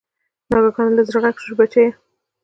ناګهانه له زړه غږ شو چې بچیه!